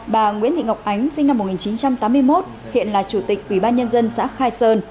bà nguyễn thị ngọc ánh sinh năm một nghìn chín trăm tám mươi một hiện là chủ tịch ủy ban nhân dân xã khai sơn